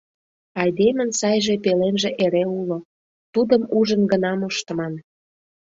Айдемын сайже пеленже эре уло, тудым ужын гына моштыман.